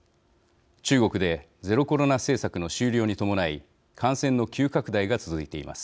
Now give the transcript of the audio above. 中国で、ゼロコロナ政策の終了に伴い、感染の急拡大が続いています。